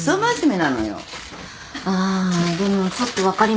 あでもちょっと分かります。